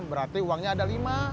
berarti uangnya ada lima